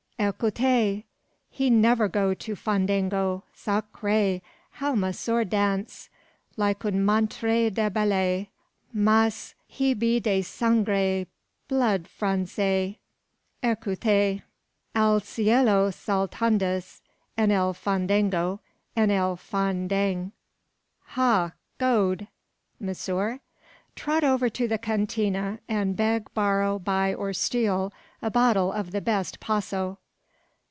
Ecoutez! He never go to fandango. Sacre! how monsieur dance! like un maitre de ballet. Mais he be de sangre blood Francais. Ecoutez! "`Al cielo saltandas, En el fandango en el fan dang .'" "Ha! Gode!" "Monsieur?" "Trot over to the cantina, and beg, borrow, buy, or steal, a bottle of the best Paso."